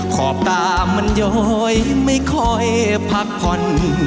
ขอบตามันย้อยไม่ค่อยพักผ่อน